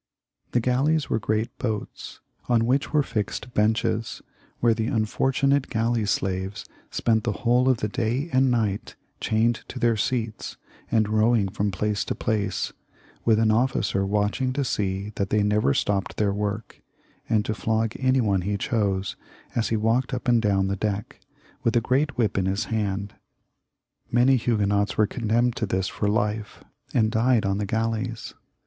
The galleys were great boats, on which were fixed benches, where the unfortunate galley slaves spent the whole of the day and night chained to their seats, and i \ XLiv.] LOUIS XIV. 349 rowing from place to place, with an officer watching to seei that they never stopped their work, and to flog any one he chose, as he walked up and down the deck, with a great whip in his hand. Many Huguenots were condemned to this for life, and died on the galleys.